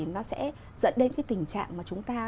nó sẽ dẫn đến cái tình trạng mà chúng ta